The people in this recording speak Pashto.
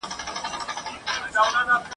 څوک چي دښمن وي د هرات هغه غلیم د وطن ..